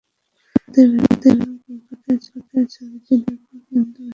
শুরুতে ভেবেছিলাম কলকাতায় ছবিটি দেখব, কিন্তু ব্যস্ততার কারণে সময় বের করতে পারিনি।